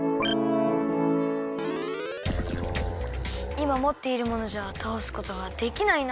いまもっているものじゃたおすことはできないな。